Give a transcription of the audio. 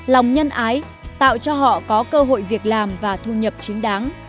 lòng nhân ái tạo cho họ có cơ hội việc làm và thu nhập chính đáng